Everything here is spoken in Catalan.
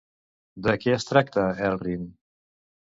De què es tracta Éirinn?